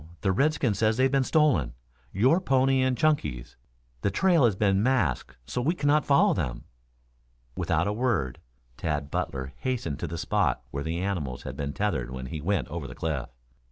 The redskin says they have been stolen your pony and Chunky's. The trail has been masked so we cannot follow them." Without a word, Tad Butler hastened to the spot where the animals had been tethered when he went over the cliff.